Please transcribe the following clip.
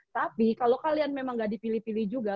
tapi kalau kalian memang gak dipilih pilih juga